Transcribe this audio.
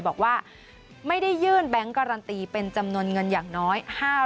บอกว่าไม่ได้ยื่นแบงค์การันตีเป็นจำนวนเงินอย่างน้อย